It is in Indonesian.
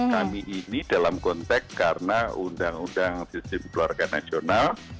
kami ini dalam konteks karena undang undang sistem keluarga nasional